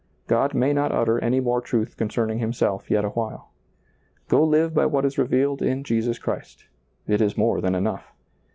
God may not utter any more truth concerning Himself yet a while. Go live by what is revealed in Jesus Christ ; it is more than enough.